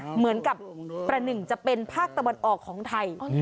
เหมือนกับประหนึ่งจะเป็นภาคตะวันออกของไทย